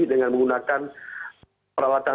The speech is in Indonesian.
dengan menggunakan peralatan